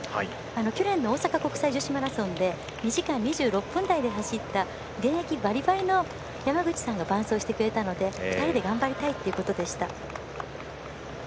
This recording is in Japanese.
去年の大阪国際女子マラソンで２時間２６分台で走った現役バリバリの山口さんが伴走してくれたので２人で頑張りたいということでした。